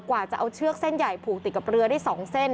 กว่าจะเอาเชือกเส้นใหญ่ผูกติดกับเรือได้๒เส้น